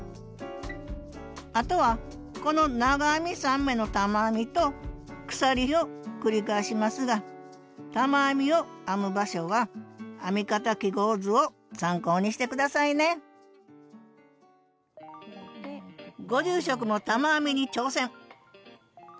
あとはこの長編み３目の玉編みと鎖を繰り返しますが玉編みを編む場所は編み方記号図を参考にして下さいねご住職も玉編みに挑戦！